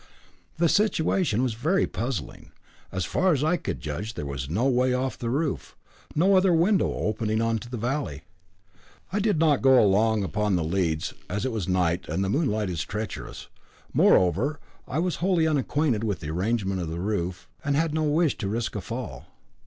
The situation was vastly puzzling. As far as I could judge there was no way off the roof, no other window opening into the valley; I did not go along upon the leads, as it was night, and moonlight is treacherous. Moreover, I was wholly unacquainted with the arrangement of the roof, and had no wish to risk a fall.